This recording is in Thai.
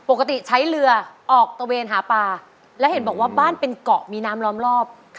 ปกติใช้เรือออกตะเวนหาปลาแล้วเห็นบอกว่าบ้านเป็นเกาะมีน้ำล้อมรอบ